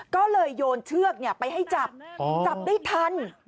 ก็เลยโยนเชือกไปให้จับจับได้ทัน